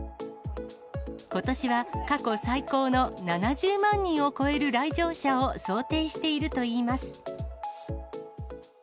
ことしは過去最高の７０万人を超える来場者を想定しているといいます。